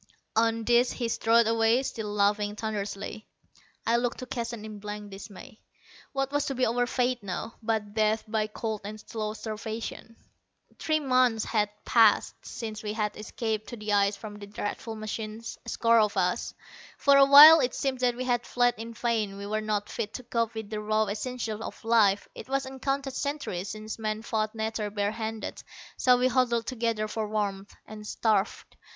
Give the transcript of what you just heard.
On this he strode away, still laughing thunderously. I looked to Keston in blank dismay. What was to be our fate now, but death by cold and slow starvation! Three months had passed since we had escaped to the ice from the dreadful machines a score of us. For a while it seemed that we had fled in vain. We were not fit to cope with the raw essentials of life: it was uncounted centuries since man fought nature bare handed. So we huddled together for warmth, and starved.